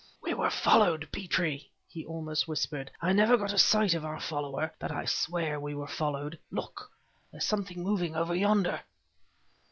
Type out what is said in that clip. "We were followed, Petrie," he almost whispered. "I never got a sight of our follower, but I'll swear we were followed. Look! there's something moving over yonder!"